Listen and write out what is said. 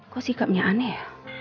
kok sikapnya aneh ya